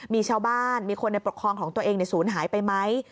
มีชาวบ้านมีคนในปกครองของตัวเองศูนย์หายไปไหม